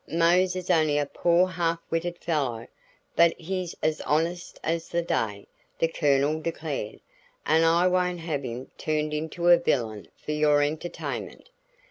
"Mose is only a poor half witted fellow but he's as honest as the day," the Colonel declared, "and I won't have him turned into a villain for your entertainment."